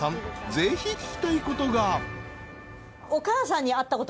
ぜひ聞きたいことが］